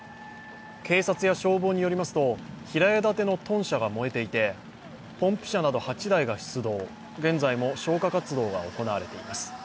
警察や消防によりますと、平屋建ての豚舎が燃えていて、ポンプ車など８台が出動、現在も消火活動が行われています。